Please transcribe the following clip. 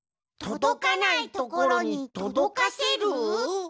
とどかないところにとどかせる？